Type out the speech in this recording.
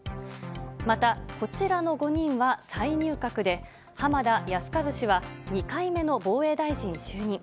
また、こちらの５人は再入閣で、浜田靖一氏は２回目の防衛大臣就任。